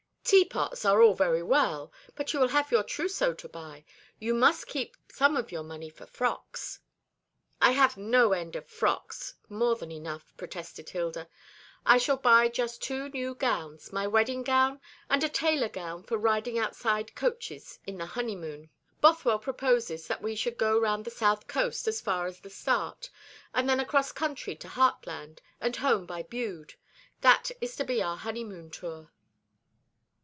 "Teapots are all very well; but you will have your trousseau to buy. You must keep some of your money for frocks." "I have no end of frocks; more than enough," protested Hilda. "I shall buy just two new gowns my wedding gown, and a tailor gown for riding outside coaches in the honeymoon. Bothwell proposes that we should go round the south coast as far as the Start, and then across country to Hartland, and home by Bude. That is to be our honeymoon tour."